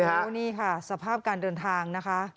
โอ้นี่ค่ะสภาพการเดินทาง